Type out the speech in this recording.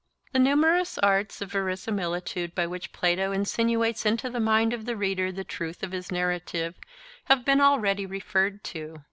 The numerous arts of verisimilitude by which Plato insinuates into the mind of the reader the truth of his narrative have been already referred to.